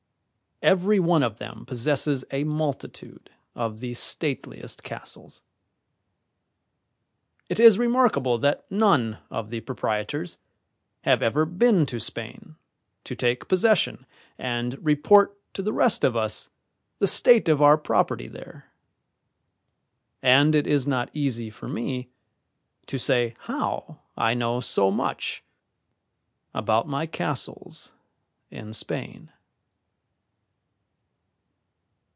Every one of them possesses a multitude of the stateliest castles. It is remarkable that none of the proprietors have ever been to Spain to take possession and report to the rest of us the state of our property there, and it is not easy for me to say how I know so much about my castles in Spain.